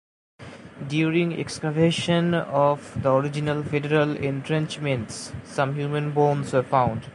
During excavation of the original Federal entrenchments some human bones were found.